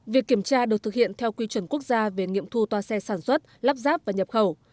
việc kiểm tra được thực hiện theo quy chuẩn quốc gia về nghiệm thu toa xe sản xuất lắp ráp và nhập khẩu